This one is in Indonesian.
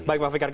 baik pak fikar